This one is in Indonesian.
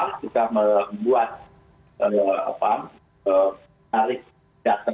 kita membuat tarikh data